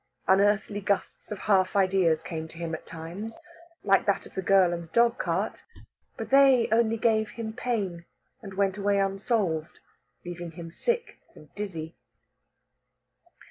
Unearthly gusts of half ideas came to him at times, like that of the girl and the dog cart. But they only gave him pain, and went away unsolved, leaving him sick and dizzy.